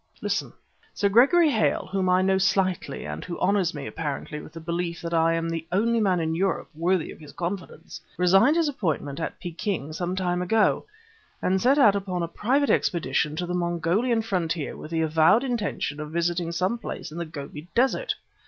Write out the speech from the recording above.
Listen. Sir Gregory Hale, whom I know slightly and who honors me, apparently, with a belief that I am the only man in Europe worthy of his confidence, resigned his appointment at Peking some time ago, and set out upon a private expedition to the Mongolian frontier with the avowed intention of visiting some place in the Gobi Desert.